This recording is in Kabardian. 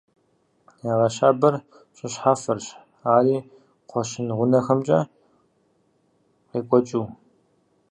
Ягъэщабэр щӏы щхьэфэрщ, ари кхъуэщын гъунэхэмкӏэ къекӏуэкӏыу.